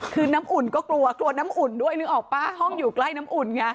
คือน้ำอุ่นก็กลัวกลัวน้ำอุ่นด้วยนึกออกป่ะห้องอยู่ใกล้น้ำอุ่นไง